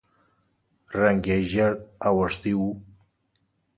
رنګ یې ژېړ اوښتی و.